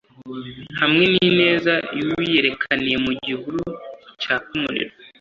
hamwe n'ineza y'uwiyerekaniye mu gihuru cyakaga umuriro